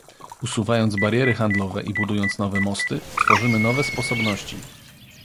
Usuwając bariery handlowe i budując nowe mosty, tworzymy nowe sposobności